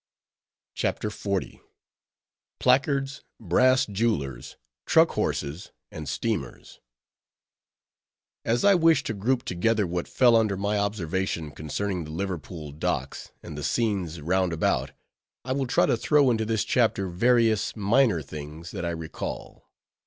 CHAPTER XL. PLACARDS, BRASS JEWELERS, TRUCK HORSES, AND STEAMERS As I wish to group together what fell under my observation concerning the Liverpool docks, and the scenes roundabout, I will try to throw into this chapter various minor things that I recall.